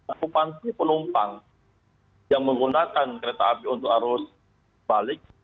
okupansi penumpang yang menggunakan kereta api untuk arus balik